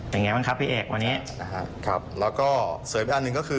อย่างไรบ้างครับพี่แอกวันนี้ครับแล้วก็เศรษฐ์อันหนึ่งก็คือ